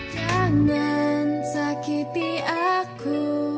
jangan sakiti aku